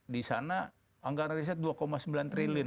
di sana anggaran riset dua sembilan triliun